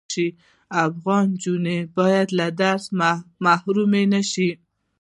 افغان انجوني بايد له درس محرومه نشی